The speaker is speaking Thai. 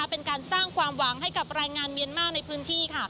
เป็นการสร้างความหวังให้กับแรงงานเมียนมาร์ในพื้นที่